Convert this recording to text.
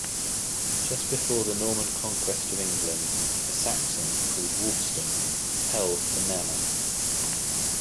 Just before the Norman conquest of England a Saxon called Wulfstan held the manor.